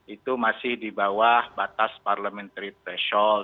itu masih di bawah batas parliamentary threshold